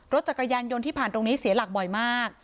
รถจักรยานยนต์ที่ผ่านตรงนี้เสียหลักบ่อยมาก